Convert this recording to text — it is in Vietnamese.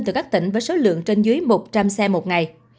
từ các tỉnh với số lượng trên dưới một trăm linh xe một ngày